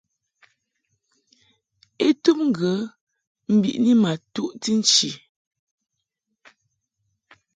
I tum ŋgə mbiʼni ma tuʼ nchi.